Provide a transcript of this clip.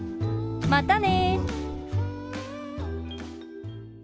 またね！